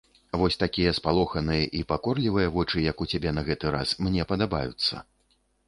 Вось такія спалоханыя і пакорлівыя вочы, як у цябе на гэты раз, мне падабаюцца.